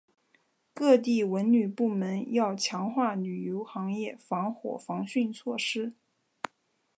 各地文旅部门要强化旅游行业防火防汛措施